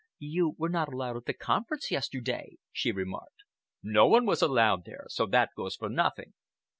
"You were not allowed at the conference yesterday," she remarked. "No one was allowed there, so that goes for nothing."